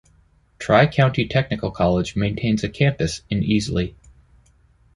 Tri-County Technical College maintains a campus in Easley.